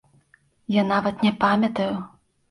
Я нават не памятаю!